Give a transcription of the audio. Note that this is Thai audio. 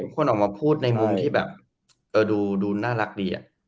คนออกมาพูดในมุมที่แบบดูน่ารักดี